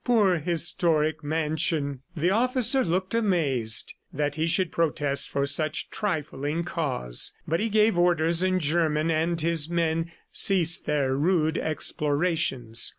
Poor historic mansion! ... The officer looked amazed that he should protest for such trifling cause, but he gave orders in German and his men ceased their rude explorations.